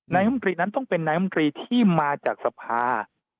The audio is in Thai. นายมตรีนั้นต้องเป็นนายมนตรีที่มาจากสภา